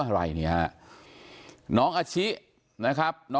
โอ้โหโอ้โหโอ้โหโอ้โห